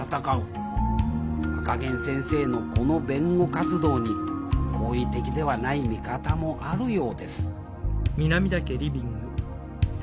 赤ゲン先生のこの弁護活動に好意的ではない見方もあるようです